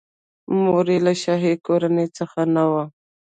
مور یې له شاهي کورنۍ څخه نه وه.